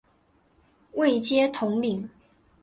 位阶统领。